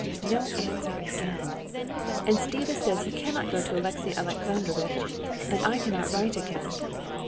No answer again! And Stiva says he cannot go to Alexey Alexandrovitch. And I can't write again.